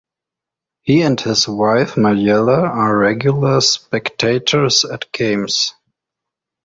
He and his wife Majella are regular spectators at games.